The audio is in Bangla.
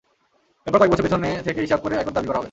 এরপর কয়েক বছর পেছন থেকে হিসাব করে আয়কর দাবি করা হবে।